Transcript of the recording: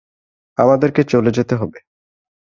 আমাদেরকে চলে যেতে হবে।